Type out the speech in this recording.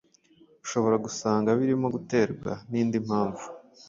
ushobora gusanga birimo guterwa n’indi mpavu